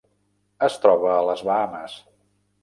Es troba a les Bahames.